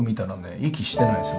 息してないんですよ